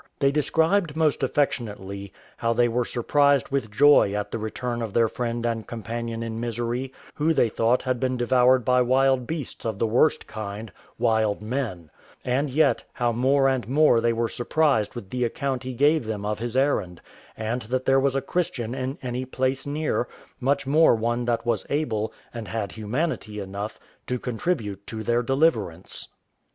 They described, most affectionately, how they were surprised with joy at the return of their friend and companion in misery, who they thought had been devoured by wild beasts of the worst kind wild men; and yet, how more and more they were surprised with the account he gave them of his errand, and that there was a Christian in any place near, much more one that was able, and had humanity enough, to contribute to their deliverance.